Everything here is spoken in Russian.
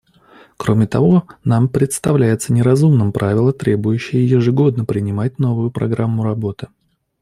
Кроме того, нам представляется неразумным правило, требующее ежегодно принимать новую программу работы.